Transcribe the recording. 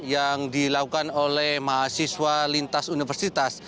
yang dilakukan oleh mahasiswa lintas universitas